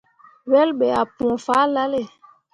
Wel ɓe ah pũu fahlalle.